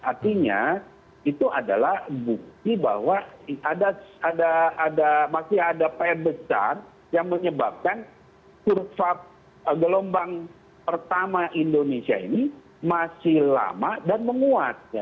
artinya itu adalah bukti bahwa masih ada perbesar yang menyebabkan gelombang pertama indonesia ini masih lama dan menguat